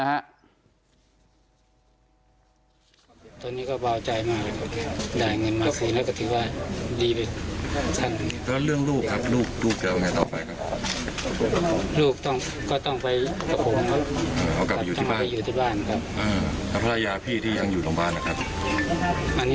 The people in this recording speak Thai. รอฝนก่อนครับว่าจะทำยังไง